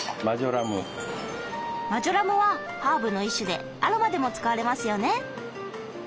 マジョラムはハーブの一種でアロマでも使われますよね。